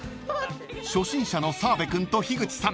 ［初心者の澤部君と樋口さん］